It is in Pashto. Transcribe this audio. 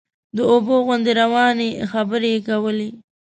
د اوبو غوندې روانې خبرې یې کولې.